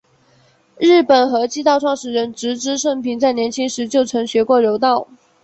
日本合气道创始人植芝盛平在年轻时就曾学过柔道。